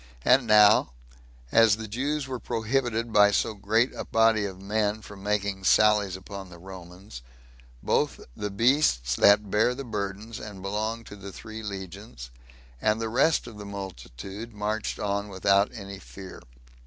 And now as the Jews were prohibited, by so great a body of men, from making sallies upon the Romans, both the beasts that bare the burdens, and belonged to the three legions, and the rest of the multitude, marched on without any fear.